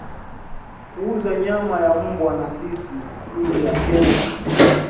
Kuuza nyama ya mbwa na fisi nje ya Kenya